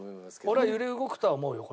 俺は揺れ動くとは思うよ